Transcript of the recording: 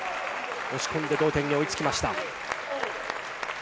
押し込んで同点に追いつきました。